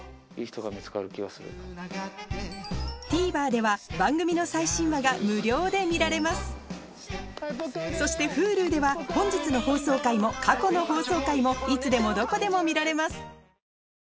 ＴＶｅｒでは番組の最新話が無料で見られますそしてＨｕｌｕでは本日の放送回も過去の放送回もいつでもどこでも見られます